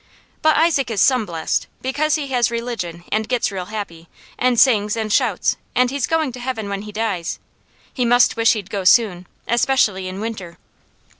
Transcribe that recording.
But Isaac is some blessed, because he has religion and gets real happy, and sings, and shouts, and he's going to Heaven when he dies. He must wish he'd go soon, especially in winter.